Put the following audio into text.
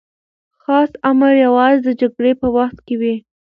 خاص امر یوازې د جګړې په وخت کي وي.